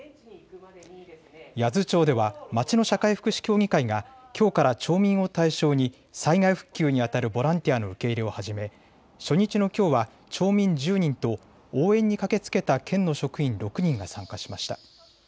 八頭町では町の社会福祉協議会がきょうから町民を対象に災害復旧にあたるボランティアの受け入れを始め、初日のきょうは町民１０人と応援に駆けつけた県の職員６人が参加しました。